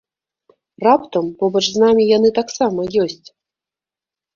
Раптам побач з намі яны таксама ёсць?